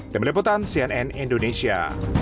demi leputan cnn indonesia